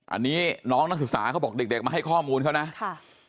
อันนี้น้องนักศึกษาเขาบอกเด็กมาให้ข้อมูลเขานะค่ะ